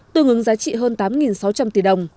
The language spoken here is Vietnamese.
tương ứng giá trị hơn tám sáu trăm linh tỷ đồng